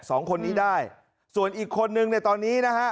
สองคนนี้ได้ส่วนอีกคนนึงในตอนนี้นะฮะ